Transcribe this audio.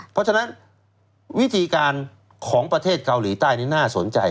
เพราะฉะนั้นวิธีการของประเทศเกาหลีใต้นี่น่าสนใจ